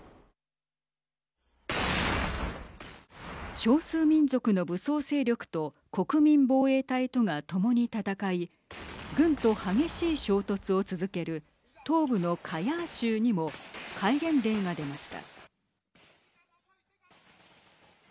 少数民族の武装勢力と国民防衛隊とが共に戦い軍と激しい衝突を続ける東部のカヤー州にも戒厳令が出ました。